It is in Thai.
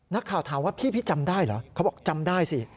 นักข่าวถามว่าพี่จำได้เหรอเขาบอกจำได้สิ